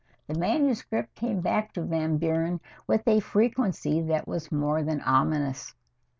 The manuscript came back to Van Buren with a frequency that was more than ominous.